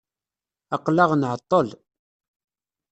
Aqel-aɣ nɛeṭṭel.